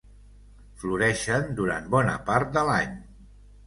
Floreixen durant bona part de l'any.